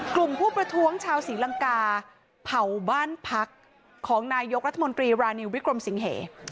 กลุ่มผู้ประท้วงชาวศรีลังกาเผาบ้านพักของนายกรัฐมนตรีรานิววิกรมสิงเห